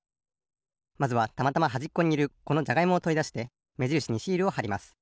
まずはたまたまはじっこにいるこのじゃがいもをとりだしてめじるしにシールをはります。